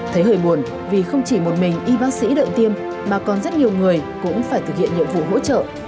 thấy hơi buồn vì không chỉ một mình y bác sĩ đợi tiêm mà còn rất nhiều người cũng phải thực hiện nhiệm vụ hỗ trợ